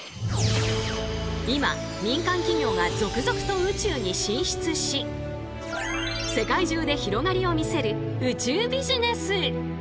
今民間企業が続々と宇宙に進出し世界中で広がりを見せる宇宙ビジネス。